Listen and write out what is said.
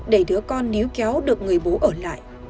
để đứa con níu kéo được người bố ở lại